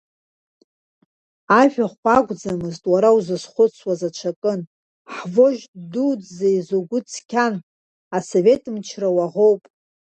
Ажәахә акәӡамызт, уара узызхәыцуаз аҽакын, ҳвожд дуӡӡа изы угәы цқьам, Асовет мчра уаӷоуп…